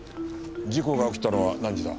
事故が起きたのは何時だ？